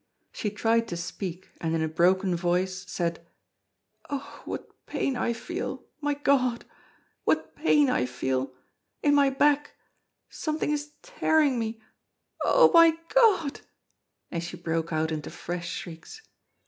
She tried to speak, and in a broken voice said: "Oh! what pain I feel my God! what pain I feel in my back something is tearing me Oh! my God!" And she broke out into fresh shrieks.